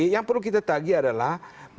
yang perlu kita tagi adalah berikan kami jaminan